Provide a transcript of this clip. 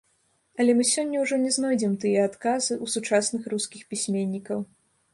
Але мы сёння ўжо не знойдзем тыя адказы у сучасных рускіх пісьменнікаў.